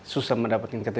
susah mendapatkan kata kata